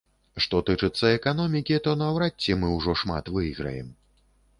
Што тычыцца эканомікі, то наўрад ці мы ўжо шмат выйграем.